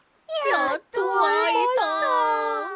やっとあえました！